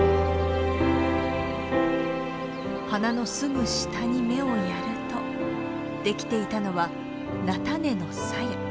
花のすぐ下に目をやるとできていたのは菜種のさや。